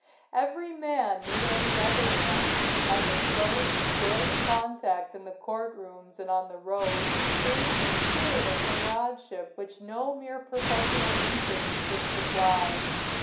Every man knew every other man, and the close, daily contact in the court rooms and on the road created a spirit of comradeship which no mere professional interest could supply.